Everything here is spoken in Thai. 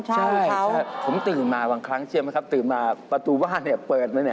ใช่ผมตื่นมาบางครั้งเชื่อไหมครับตื่นมาประตูบ้านเปิดมา